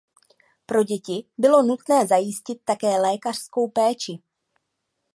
Pro děti bylo nutné zajistit také lékařskou péči.